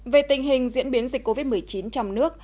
về tình hình diễn biến dịch covid một mươi chín trong nước